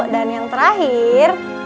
dan yang terakhir